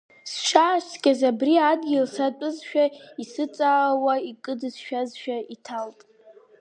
Сшааскьоз абри адгьыл сатәызшәа, исыҵыууаа, икыдшәазшәа иҭалт.